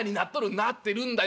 「なってるんだよ。